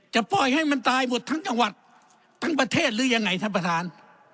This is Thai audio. ปล่อยให้มันตายหมดทั้งจังหวัดทั้งประเทศหรือยังไงท่านประธาน